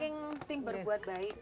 ini saking berbuat baik